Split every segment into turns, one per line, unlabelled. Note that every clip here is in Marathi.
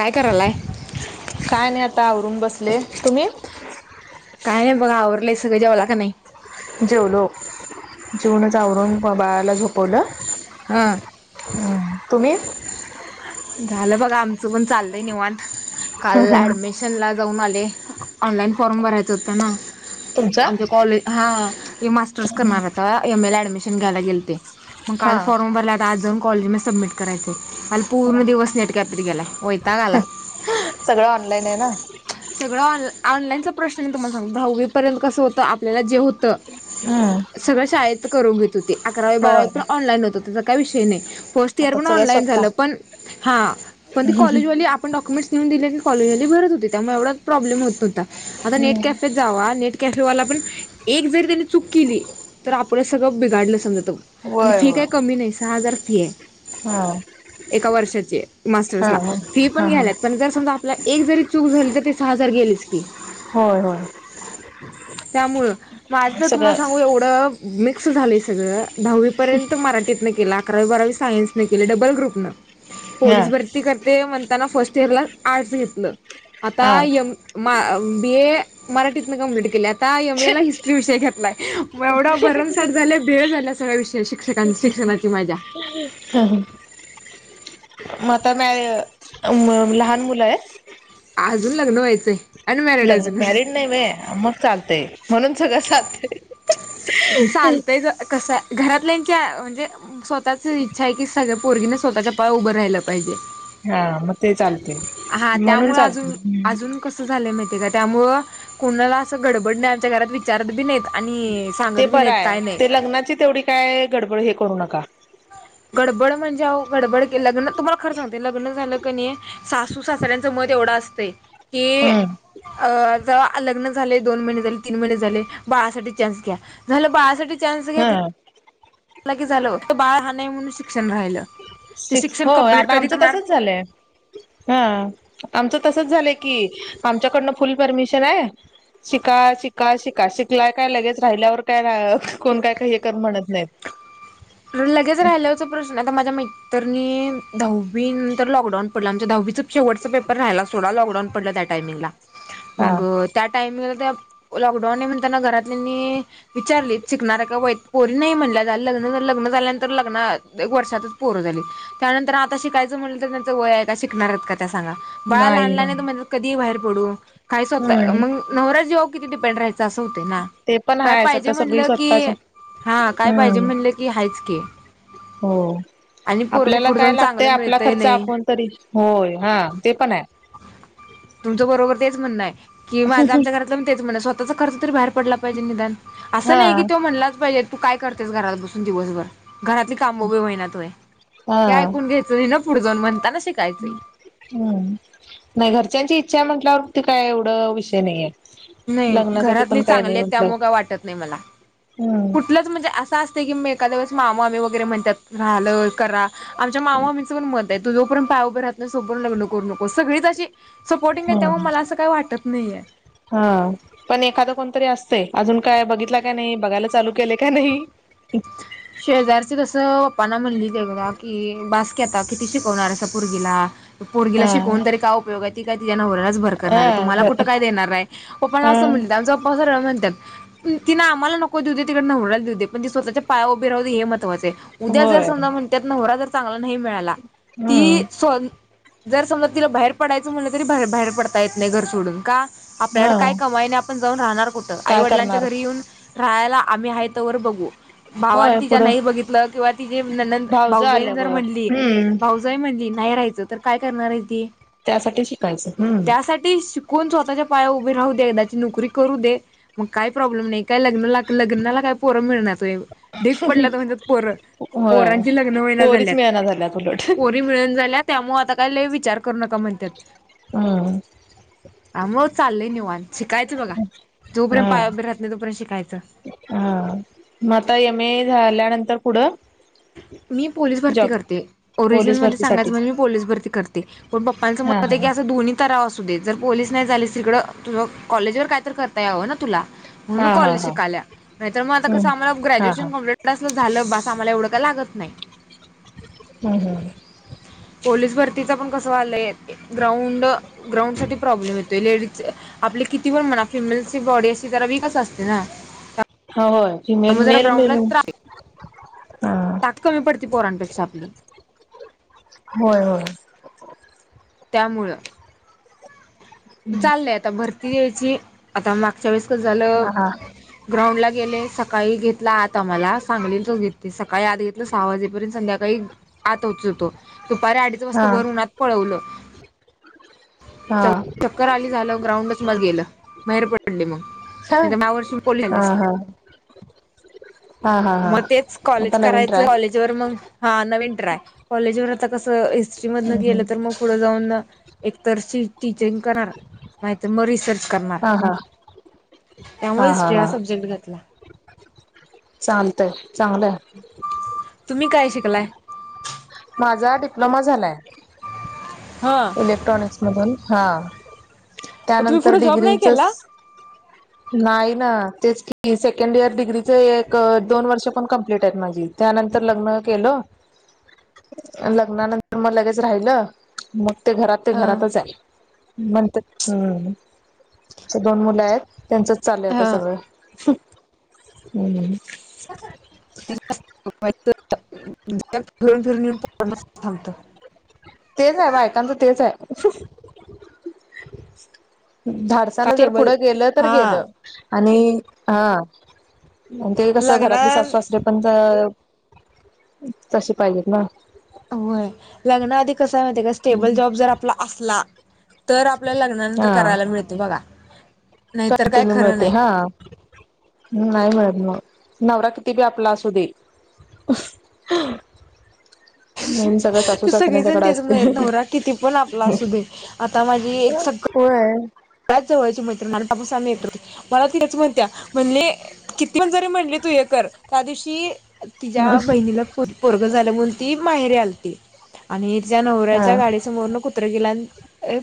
काय करायलाय?
काय नाही आता आवरून बसले. तुम्ही?
काय नाही बघा आवरलं आहे सगळं जेवला का नाही?
जेवलो जेवणच आवरून ब बाळाला झोपवलं.
हा.
हम्म, तुम्ही?
झालं बघा आमचं पण चाललय निवांत काल ऍडमि शन ला जाऊन आले ऑनलाईन फॉर्म भरायच होत ना.
तुमचा
आमच्या कॉले हा मास्टर्स करणार आता एम ए ला ऍडमिशन घ्यायला गेल ते. मग काल
हा
फॉर्म भरला आता आज जाऊन कॉलेजी म सबमिट करायचं. काल पूर्ण दिवस नेटकॅपत गेलाय. होय.
सगळं ऑनलाईन आहे ना.
सगळं ऑन ऑनलाईनचा प्रश्न नाही तुम्हाला सांग दहावीपर्यंत कसं होतं आपल्याला जे होतं
हा.
सगळं शाळेत करून घेत होते अकरावी बारावी पण
होय
ऑनलाईन होतं त्याचा काही विषय नाही. फर्स्ट इयर
आता
पण
सगळं
ऑनलाईन
स्वतः
झालं. पण हां पण ते कॉलेज आपण डॉक्युमेंट्स नेऊन दिले की कॉलेज वाले भरत होते त्यामूळे एवढा प्रॉब्लेम होत नव्हता आता नेट
हम्म
कॅफेत जावा नेट कॅफेवाला पण एक जरी त्यानी चूक केली तर आपण सगळं बिघाडलं समजत. आणि
होय
फी
होय
काही कमी नाही सहा हजार फी आहे.
हा.
एका वर्षाचीये
हा
मास्टर्सला
हा
फी पण
हा हा
घ्यायलात पण जर समजाआप तुला एक जरी चूक झाली तर त सहा हजार गेलीच की
होय होय.
त्यामुळं माझ तुम्हाला
सगळं
सांगू एवढं मिक्स झालंय सगळं. दहावीपर्यंत मराठीतनं केला अकरावी बारावी सायन्सनं केले डबल ग्रुपनं
हा
पोलीस भर त करते म्हणताना फर्स्ट इयरलाच आर्ट्स घेतलं आता
हा
यम मा बीए मराठीतन कंप्लीट केली आता यमेला हिस्ट्री विषय घेतलाय म एवढा भरमसाट झालंय भेळ झाल्यात [unintelligible] विषय शिक
हम्म्म ह मता म म लहान मुलं आहेत.
आजून लग्न व्हायचंय. अनमॅरिड
लग्न
अजून
मॅरिड नाय वय मग चालतय म्हणून सगळं चालतय.
चालतंय क कसं. घरातल्यांच्या म्हणजे स्वतःच इच्छा आहे की सगळ्या पोरगीने स्वतःच्या पाया उभं राहिलं पाहिजे.
हा मग ते चालते
हा
म्हणून
त्यामुळे अजून
चालते.
अजून कसं झालंय माहिते का त्यामुळं कोणाला असं गडबड नाही आमच्या घरात विचारत बी नाहीत आणि
ते
सांगत बी
बरं
नाहीत
आहे.
काय नाही
ते लग्नाची तेवढी काय गडबड हे करू नका.
गडबड म्हणजे गडबड लग्न तुम्हाला खरं सांगते लग्न झालं क नाही. सासू सासऱ्यांचं मत एवढं असत की
हम्म
अ लग्न झाले दोन महिने झाले तीन महिने झाले बाळासाठी चान्स घ्या झा बाळासाठी चान्स घेत
हा
की झालं तर बाळ हा नाही म्हणून शिक्षण राहिलं. ते
सिक्स
शिक्षण
हो
कंप्लीट
आता
कधी
आमचं
करणार
तसच झालंय. हा आमचं तसच झालंय की आमच्याकडनं फुल परमिशन आहे. शिका शिका शिका शिकलाय काय लगेच राहिल्यावर काय कोण काय का हे कर म्हणत नाहीत.
लगेच राहिल्याचा प्रश्न आता माझ्या मैित्रणी दहावी नंतर लॉकडाऊन पडलं आमच्या दहावीचं शेवटचा पेपर राहाला सोडा लॉकडाऊन पडला त्या टाइमिंगला
हा
मग त्या टायमिंगला त्या लॉकडाऊन नाही म्हणताना घरात त्यांनी विचारले शिकणार आहे का पोरी नाही म्हणल्या जाय लग्न लग्न झाल्यानंतर लग्न वर्षातच पोरं झाली. त्यानंतर आता शिकायचं म्हटलं तर त्यांचं वय आहे का शिकणारच का सांगा बाळा लहान
नाही नाही
लहान त कधी बाहेर पडू काही स्वतः
हम्म
मग नवराजी कि िपेड राहि. हो ना
ते पण
काय
आहेच
पाहिजे
आता सगळी
म्हण की
स्वतःच
हा काय पाहिजे
हम्म
म्ह आहेच की.
हो.
आणि पोरग
आपल्याला
पुढे
काय
जाऊन चांगलं
लागतंय आपला
मिळतय
खर्च
नाही
आपण तरी होय हा ते पण आहे.
तुमच बरोबर तेच म्हणणं आहे की माझं आमच्या तेच म्ह स्वतःचा खर्च बाहेर पडला पाहिजे निदान असं
हा
नाही की तो म्हणलाचहिजे. तू काय करतेस घरात बसून दिवसभर घरातली काम उभी होईना तु
हा
हे ऐकून घ्यायच ना पुढ जाऊ म्हणताना शिकायचंय.
हम्म नाही घरच्यांची इच्छा म्हंटल्यावरती काय एवढं विषय नाहीे.
नाही घरातले चांगले आहेत त्यामु कां वाटत नाही मला.
हम्म.
तिलंच म्हणजे असं असते की मी एका दिवस मामामी वगैरे म्हणतात राहिलं करा. आमच्या मामा आम्चं पण मत आहे तु जो पण पाय उभे राहत सोपरून लग्न करू नको सगळीचशी सपोर्टिंग आहे त्यामुळे
हम्म
मला असं काही वाटत नाहीये
हा पण एखादं कोणतरी असते अजून काय बघितला काय नाही बघायला चालू केले का नाही
शेजारची तसं प्पांना म्हणली तेवा कि बाासकीे आता किती शिकवणार अस पर्गीला पुढीला
हा
शिकून तरी काय उयोग त काय तिना भ
हा
तुमला कु
बर
काण
हा
कस म्हणतात तिं आम्हाला नको देऊ दे तिकडे नवडला देते पण ती स्वतःच्या पाया हे महत्वा उद्या जर
होय
समज म्हणतात हो जर चांला नाही मिळा त
हम्म
स् जर समजा तिला बाहेर पडायचं म्हणलं तरी बाहेर पडता येत नाही घर सोडून का
हा
आपल्याकडे काय कमाई नाही आपण जाऊन राहणार कुठं आई
काय
वडिलांच्या
करणार
घरी येऊन राहायला आम्ही आहे तवर बघू भावां
होय पुढं
बघित किंवा त
भावज
भाऊज जर
आल्यावर
म्हणली
हम्म
भा जय म्हणली नाही राहाचं तर काय करणार आहे ती
त्यासाठी शिकायचं हम्
ते शिकून स्वतःच्या पाया उभे राहू दे एकदाची नोकरी करू दे. मग काही प्रॉब्लेम नाही काय लग्न लग्नाला काय पोरं मिळणार तय ढीग पडला तर म्हणज पोर
होय
पोरांचे लग्न व्हायला
पोरीच
झाल्यात
मिळना झाल्यात उलट
पोरी मिळून झाल्यात. त्यामुळे आता काय ल विचार करू नका म्हणतात
हम्म
हा मग चालय निवान शिकायचं बघा
हा
जोपर्यंत पाया उभर राहत नाही तोपर्यंत शिकायचं
हा मग आता एम ए झाल्यानंतर पुढं
मी पोलीस भरती
जॉब
करते ओरिजिनल
पोलीस
मध्ये सांगायच
भरतीसाठी
म्हण मी पोलीस भरती करते पण पप्पांला
हा
समजत
हा
की
हा.
अस दो् रा असू देेत जर पोलीस नाही झालीस तिकडं तुझं कॉलेज वर काय तर करता यावं ना तुला
हा
म्हणून
हा
कॉलेज
हा
शिकाय नाही तर मग आता
हम्म
कसं आम्हाला
हा हा
ग्रॅज्युएशन कंप् डसलं झालं बास आम्हाला एवढंका लागत नाही.
हम्म हम्.
पोलीस भरतीच पण कसं आलंय ग्राउंड ग्राउंडसाठी प्रॉब्लेम येतोय लेडीज आपले किती वर म्हणा फिमेलची बॉडी अशी जरा वीकच असते ना.
हा होय फिमेल
त्यामुळे जरा
मेल
ग्राउंडला त्रास
हा
ताक कमी पडती पोरांपेक्षा आपली
होय होय.
त्यामुळं चाललंय आता भरती द्यायची आता मागच्या वेळेस ग झालं.
हा हा
ग्राउंड ला गेले सकाळी घेतला आता मला सांगलीचोघे सकाळी आत घेतलं सहा वाजेपर्यंत संध्याकाळी आत उच होतो दुपारी अडीच
हा
वाजता भर उनात पळवलं.
हां.
चक्कर आली झालं ग्राउंडच मग गेलं बाहेर पडले मग नाही तर मा वर सुर कोोललेलं.
हा हा हा हा
मग तेच कॉलेज
आता नवीन
करायचं
ट्राय
कॉज मग हा नवीन ट्रय कॉलेज व आता कस हिस्ट्री
हम्म हम्म.
मधेलं तर मग पु जाऊ एक नाही मग करणार त्यामुळे
हा हा
हिस्ट्री हा सब्जेक्ट घेतला.
चालतय चांगलंय.
तुम्ही काय शिकलाय?
माझा डिप्लोमा झालाय.
ह.
इलेक्ट्रॉनिक्स मधून
मग तुम्ही
त्यानंतर
पुढे जॉब
डिग्री
नाही केला
नाही ना तेच की सेकंड इयर डिग्रीच एक दोन वर्ष पण कंप्लीट आहेत माझी त्यानंतर लग्न केलं.
[unintelligible]
लग्नानंतर मग लगेच राहिलं मग ते घरात ते
हा
घरातच आहे. मण हम्म दोन मुलं आहेत त्यांचंच चाल आता
हा
सगळं. हम्म.
फिरून फिरून येऊन पड थांबत.
तेच आहे बायकांचं तेच आहे धड
का
असना जर
टेबल
पुढं गेलं तर
हा
गेलं. आणि हा ते कस घरातली
लग्ना
सास ते पण तशी पाहिजेत ना.
होय लग्ना आधी कस आहे मा का स्टेबल जॉब जर आपला असला. तर आपल्याला लग्नानंतर
हा
करायला मिळत बघा. नाहीतर काय
कंटिन्यू
खरं
मिळते
नाही
हा. नाही मॅडम मग नववर कती बी आपला असू दे.
[inaudible]
मेन सगळं सासू
ते सगळेजण
सासऱ्यांच्याकडे
त्याचा प्रयत्न
असते
होरा किती पण आपला अस देे आता माझी एक सगळ.
हो आहे.
बच जवळची मैत्र ना बापू सा यते मला तेच म्हणत्या म्हणले. किती पण जरी म्हणली तू हे कर त्या दिवशी तिच्या बहिणीला पोरग झाल्या म्हणून ती माहेरीे आलती. आणि त्या नवऱ्याच्या
हा
गाडी समोरन कुत्र किला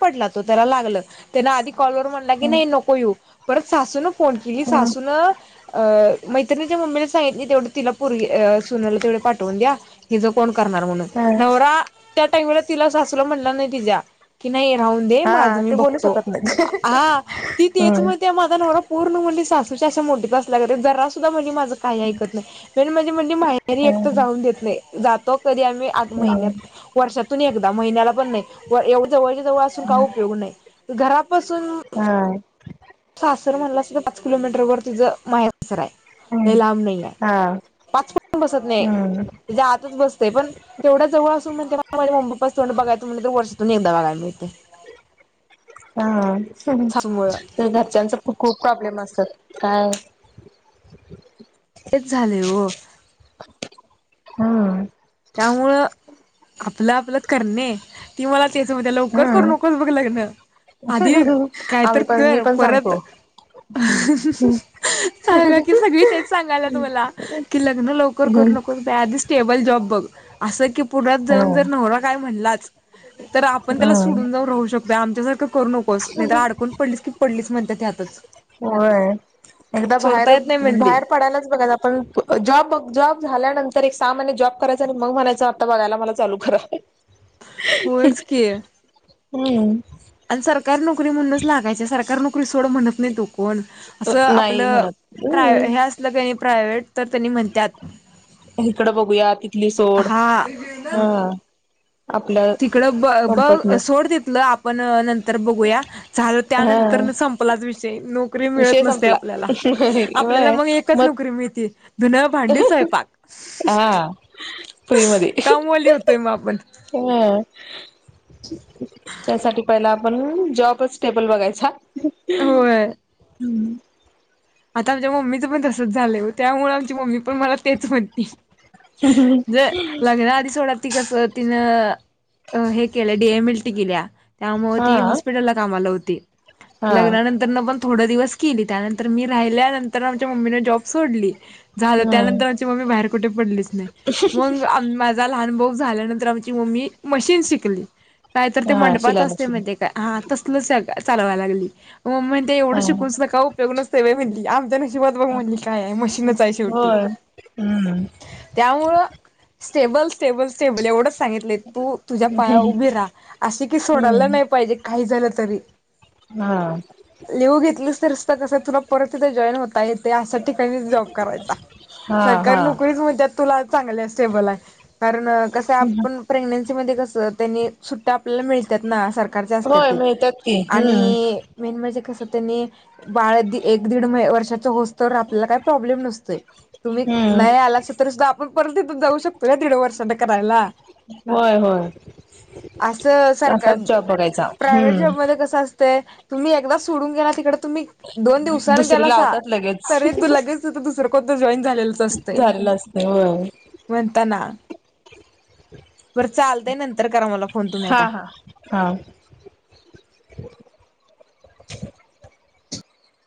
पडला तो त्याला लागला त्याने आधिक कॉलवर म्हणला की नाही नको येऊ परत सासून फोन केली
ह
सासूनूनं अ मैत्रिणीच्या मम्मीला सांगित नाही तेवढं तिला पुरी सुनाला तेवढे पाठवून द्या. हिजं कोण करणार म्हण
ह
नवरा त्या टाइमला तिला सासूला म्हणला नाही तिच्या कि, नाही राहून दे माझ
हा
मी
ते बोलू
बघतो
शकत नाहीत
हा ती तेच
हम्म
म माझा नवरा पूर्ण म्हणली सासूच्या मुठीत समोेर जरा सुद्धा म्हनली माझ काही ऐकत नाही म्हणजे म्हणजे मायारी एकट
हम्म
जाऊन देत नाही, जात तो कधी आम्ही महिन्यात, वर्षातून एकदा महिन्याला एवढ जवच्या जवळ असून काय
हम्म
उपयोग नाही घरापासून
हा
सासर म्हणला सुद्धा पाच किलोमीटर वर तिचं माहे सासर आहे.
हम्म
नाही लांब नाही ये
हा
पाच पण बसत नाही
हम्म
तुझ्या आतच बसते पण. तेवढा जवळ असूनण ते मा मम्मी पपा च तोंड बघायं म्ह तर वर्षातून एकदा बघायला मिळते. [inaudible]
हा
सासूमुळं.
तर घरच्यांच खूप प्रॉब्लेम असतात काय
तेच झाल ओ
हम्
त्यामुळं आपलं आपलं करणे त्यो मला तेच म्हणतो लवकर करू
हम्म
नकोस बघ लग्न आधी काय तर
आम्ही पण मी
कर
पण
परत
सांगतो
हाह हाह सांगा की, सगळी तेच सांगायला मला कि लग्न लवकर करू
हम्म
नको त्या आधी स्टेबल जॉब बघ. असं की, पुण्यातात जाऊन जर
हम्म
नवरा काय म्हणलाच? तर आपण त्याला सोडून जाऊन राहू शकतो आमच्यासारखं करू नकोस नाही तर अडकून पडलीस की पडलीस म्हणत्यात त्यातच
होय. एकदा
सोडता
बाहेर
येत नाही म्हणली
बाहेर पडायलाच बघाय पण जॉब जॉब झाल्यानंतर एक सहा महिने जॉब करायचा आणि मग म्हणायच आता बघायला मला चालू करा
होयच की
हम्
आणि सरकार नोकरी म्हणूनच लागायची सरकारी नोकरी सोडं म्हणत नाही तो कोण असं
नाही
आपलं
म्हणत
प्राय
हम्म
हे असलं क नाही प्रायव्हेट तर त्यांनी म्हणतात
इकडं बघूया तिथली सोड,
हा
हा आपल्या
तिकडं ब
कम्फर्ट
बघ
न
सोड तिथलं आप पण नंतर बघूया झालं
हा
त्यानंतर सं आपलाच विषय नोकरी मिळत
विषय
नसते
संपला
आपल्याला आपल्याला
व्हय
मग एकच नोकरी मिळती धून, भांडी, स्वयंपाक हह हम्म
हा फ्री मदी
होतोय मग आपण
हह ह त्यासाठी पहिला आपण जॉबच स्टेबल बघायचा
होय
हम्
आता आमच्या मम्मीचं पण तसच झालं हो त्यामुळे आमची मम्मी पण मला तेच म्हणते णजे लग्नाआधी सोडणार ती कस तिन हे केलं डीएम एल टी केलिया त्यामुळे ती
हा
हॉस्पिटलला कामाला होती.
हा
लग्नानंतर पण थोड दिवस केली त्यानंतर मी राहिल्या नंतर आमच्या मम्मीने जॉब सोडली झालं
हा
त्यानंतर माझी मम्मी बाहेर कुठे पडलीच नाही. मग माज लहान बोग झाल्यानंतर आमची मम्मी मशीन शिकली कायत ते
हा
मंडपाच
शिलाई
असते म
मशीन
ते काय हा तसलच चालवाय लागली मम् ते एवढं
हा
शिकूनच नका उपयोग नस म्हली आमच्या अजिबात बघ म्हणजे काय आहे मशीनच आहे शेवटी
होय हम्म
त्यामुळं स्टेबल स्टेबल. ेबल एवढंच सांगितले तू तुझ्या पाया उभी राहा अशी की सोडायला
हम्म
नाही पाहिजे. काही झालं तरी
हम
लिहू घेतलीस तरीत कसं आहे तुला परत इथे जॉईन होता येते असशा ठिकाणी जॉब करायचा
हा हा
सरकारी नोकरीच म्हणजत तुला चांगले स्टेबल आहे कारण कस आपण प्रेग्न्सी मध्ये कसं त्यांनी सुट्टा आपल्याला मिळ सकार असत
होय मिळतात की हम्म
आणि मे म्हणजे कस एक दीड वर्षाचा होस् तर आपल्याला काही प्रॉब्लेम नसतोय तुम्ही न
हम्म
आला तरी सुद्धा आपण परर्ंत इथून जाऊ शकतो या दीड वर्षां करायला
होय होय
असं सरकार
तसाच जॉब बघायचा
प्रायवट
हम्म
जॉबमध्ये कस अस ते तुम्ही एकदा सोडून गेला तिकड तुम्ही दोन दिवसनी
दुसरी
गेला
लावतात लगेच
तरी दुल दुसरं को जॉईन झालेलंच असतंय
झालेलं असते होय.
म्हणताना बर चालतंय नंतर करा मला फोन तुम्ही
हा
आता
हा हा